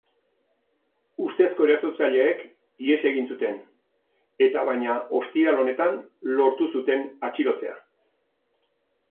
Ustezko erasotzaileek ihes egin zuten, eta baina ostiral honetan lortu zuten atxilotzea.